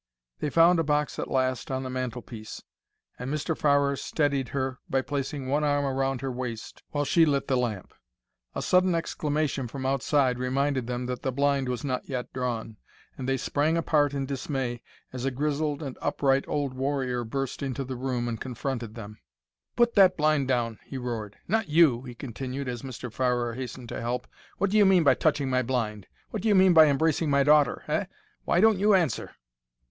They found a box at last on the mantelpiece, and Mr. Farrer steadied her by placing one arm round her waist while she lit the lamp. A sudden exclamation from outside reminded them that the blind was not yet drawn, and they sprang apart in dismay as a grizzled and upright old warrior burst into the room and confronted them. "Pull that blind down!" he roared. "Not you," he continued, as Mr. Farrer hastened to help. "What do you mean by touching my blind? What do you mean by embracing my daughter? Eh? Why don't you answer?"